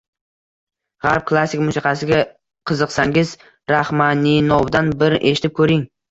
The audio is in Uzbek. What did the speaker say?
G‘arb klassik musiqasiga qiziqsangiz, Raxmaninovdan bir eshitib ko‘ring